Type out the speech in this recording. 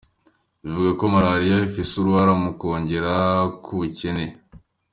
Bivuga ko Malaria ifise uruhara mu kwiyongera kw’ubukene.